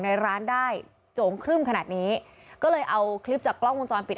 ในร้านได้โจงครึ่มขนาดนี้ก็เลยเอาคลิปจากกล้องวงจรปิด